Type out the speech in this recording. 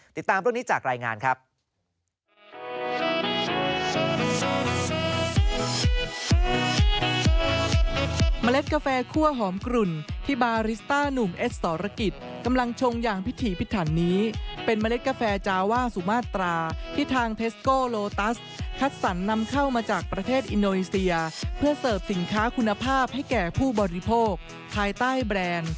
ติดตามเรื่องนี้จากรายงานครับ